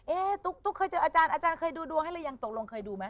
ตุ๊กเคยเจออาจารย์อาจารย์เคยดูดวงให้หรือยังตกลงเคยดูไหม